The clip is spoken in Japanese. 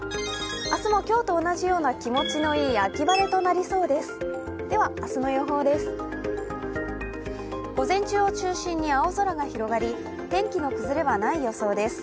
明日も今日と同じような気持ちのいい秋晴れとなりそうです。